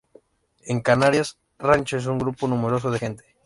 En Canarias, rancho es un grupo numeroso de gente.